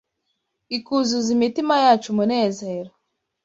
ikuzuza imitima yacu umunezero.